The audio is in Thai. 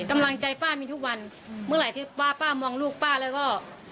กำลังใจป้ามีทุกวันเมื่อไหร่ที่ป้าป้ามองลูกป้าแล้วก็